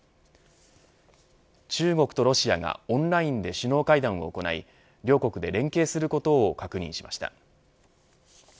中国とロシアがオンラインで首脳会談を行い両国で連携することを確認しました。